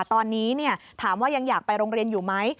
ตอนนี้ถามว่ายังอยากไปโรงเรียนอยู่ไหม